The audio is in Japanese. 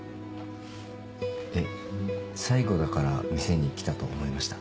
えっ最後だから店に来たと思いました？